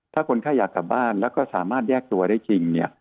ถ้าคนไข้อยากกลับบ้านแล้วก็สามารถแยกตัวได้จริง